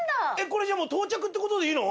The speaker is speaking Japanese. これじゃあもう到着って事でいいの？